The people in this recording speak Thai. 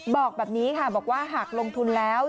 บอกแบบนี้ค่ะบอกว่าหากลงทุนแล้ว